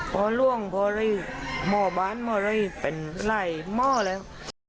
พอล่วงพอไล่หม้อบ้านหม้อไล่เป็นไล่หม้อแล้ว